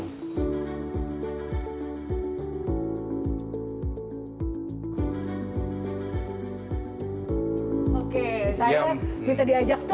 oke saya minta diajak